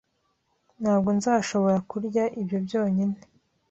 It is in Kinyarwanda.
Ntabwo nzashobora kurya ibyo byonyine.